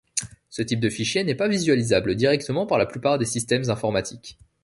Ce type de fichier n'est pas visualisable directement par la plupart des systèmes informatiques.